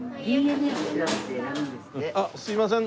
あっすいません。